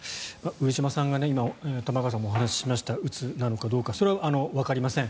上島さんが今、玉川さんもお話ししましたうつなのかどうかそれはわかりません。